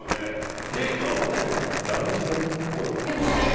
デートはホテルのラウンジでっぽい。